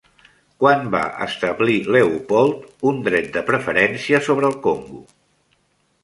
Quan va establir Leopold un dret de preferència sobre el Congo?